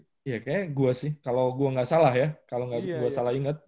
kayaknya gue sih kalo gue gak salah ya kalo gak salah inget